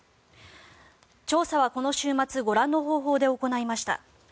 調査はこの週末ご覧の方法で行いました。